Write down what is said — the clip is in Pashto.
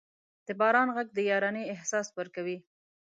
د باران ږغ د یارانې احساس ورکوي.